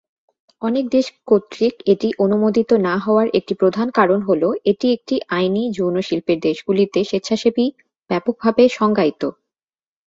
অনেক দেশ কর্তৃক এটি অনুমোদিত না হওয়ার একটি প্রধান কারণ হল এটি একটি আইনী যৌন শিল্পের দেশগুলিতে 'স্বেচ্ছাসেবী' ব্যাপকভাবে সংজ্ঞায়িত।